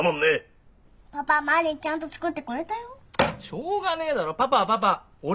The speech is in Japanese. しょうがねえだろパパはパパ俺は俺なの。